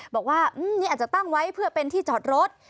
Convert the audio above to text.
บอกว่านี่อาจจะตั้งไว้เพื่อเป็นที่จอดรถ